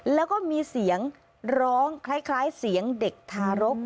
แล้วก็มีเสียงร้องคล้ายเสียงเด็กทารก